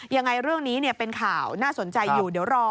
ยังไงเรื่องนี้เป็นข่าวน่าสนใจอยู่เดี๋ยวรอ